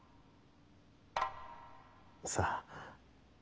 さあ？